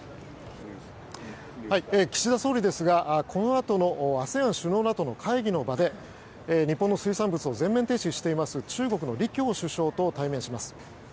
岸田総理ですがこのあとのＡＳＥＡＮ首脳らとの会議の場で、日本の水産物を全面禁止しています中国の李強首相と対面します。